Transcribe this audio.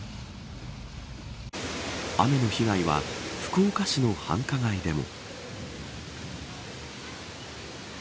雨の被害は福岡市の繁華街でも。